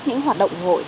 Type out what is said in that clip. những hoạt động hội